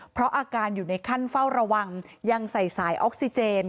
เพราะอาการอยู่ในขั้นเฝ้าระวังยังใส่สายออกซิเจน